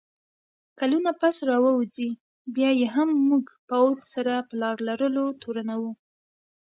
کلونه پس راووځي، بیا یې هم موږ پوځ سره په لار لرلو تورنوو